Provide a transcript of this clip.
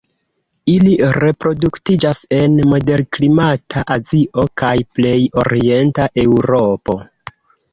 Ili reproduktiĝas en moderklimata Azio kaj plej orienta Eŭropo.